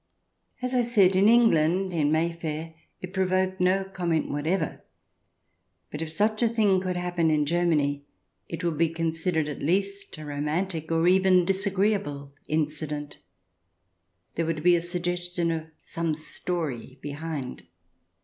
As I said, in England, in Mayfair, it provoked no comment whatever. But if such a thing could happen in Germany, it would be considered at least a romantic or even disagreeable incident — there would be a suggestion of "some story behind."